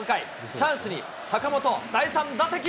チャンスに坂本、第３打席。